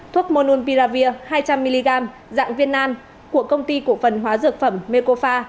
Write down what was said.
thuốc mononpiravir hai trăm linh mg dạng viên năng của công ty cổ phần hóa dược phẩm mekofa